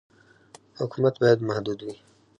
حکومت باید محدود وي.